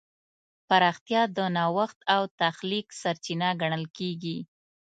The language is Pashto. پراختیا د نوښت او تخلیق سرچینه ګڼل کېږي.